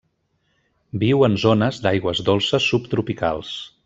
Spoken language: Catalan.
Viu en zones d'aigües dolces subtropicals.